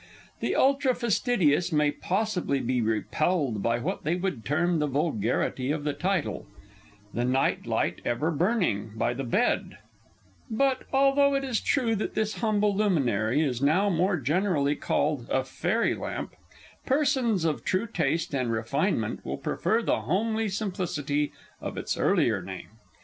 The ultra fastidious may possibly be repelled by what they would term the vulgarity of the title, "The Night light Ever Burning by the Bed" but, although it is true that this humble luminary is now more generally called a "Fairy Lamp," persons of true taste and refinement will prefer the homely simplicity of its earlier name.